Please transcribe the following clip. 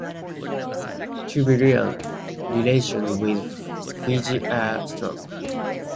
Tuvaluan relations with Fiji are strong.